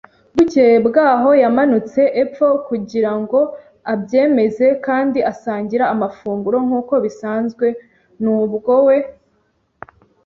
Bukeye bwaho, yamanutse epfo, kugira ngo abyemeze, kandi asangira amafunguro nk'uko bisanzwe, nubwo we